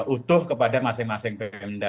utuh kepada masing masing kehenda